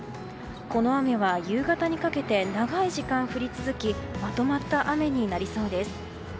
この雨は夕方にかけて長い時間降り続きまとまった雨になりそうです。